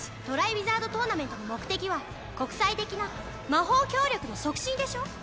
ウィザード・トーナメントの目的は国際的な魔法協力の促進でしょ？